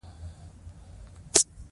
زموږ د غرونو زړه له نعمتونو ډک دی.